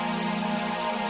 mobilnya mau gok